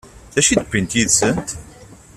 D acu i d-wwint yid-sent?